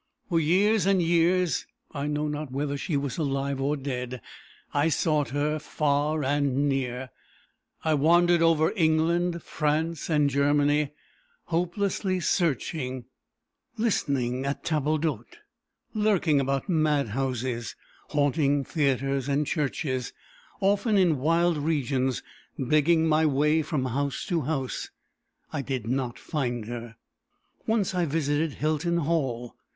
For years and years I know not whether she was alive or dead. I sought her far and near. I wandered over England, France, and Germany, hopelessly searching; listening at tables d'hôte; lurking about mad houses; haunting theatres and churches; often, in wild regions, begging my way from house to house; I did not find her. Once I visited Hilton Hall.